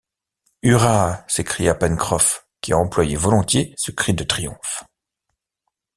Hurrah! s’écria Pencroff, qui employait volontiers ce cri de triomphe.